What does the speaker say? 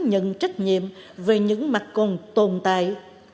nhận trách nhiệm về những mặt còn tồn tại